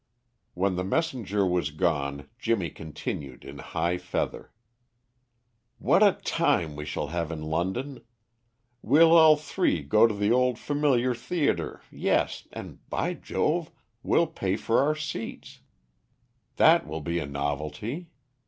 When the messenger was gone Jimmy continued in high feather. "What a time we shall have in London. We'll all three go to the old familiar theatre, yes, and by Jove, we'll pay for our seats; that will be a novelty.